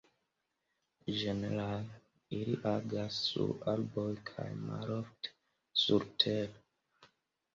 Ĝenerale ili agas sur arboj kaj malofte surtere.